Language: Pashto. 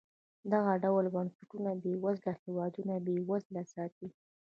دغه ډول بنسټونه بېوزله هېوادونه بېوزله ساتي.